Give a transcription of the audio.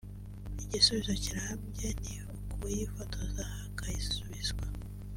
igisubizo kirambye ni ukuyifotoza akayisubizwa